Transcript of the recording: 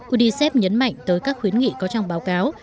unicef nhấn mạnh tới các khuyến nghị có trong báo cáo